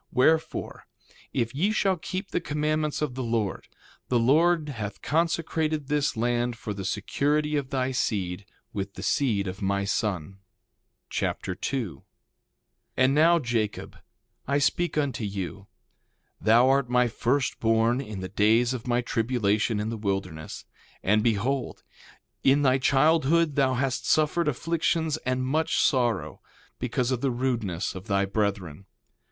1:32 Wherefore, if ye shall keep the commandments of the Lord, the Lord hath consecrated this land for the security of thy seed with the seed of my son. 2 Nephi Chapter 2 2:1 And now, Jacob, I speak unto you: Thou art my first born in the days of my tribulation in the wilderness. And behold, in thy childhood thou hast suffered afflictions and much sorrow, because of the rudeness of thy brethren.